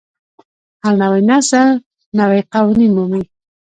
هر نوی نسل نوي قوانین مومي.